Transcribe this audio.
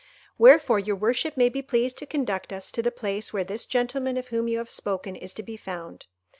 Wherefore your worship may be pleased to conduct us to the place where this gentleman of whom you have spoken is to be found.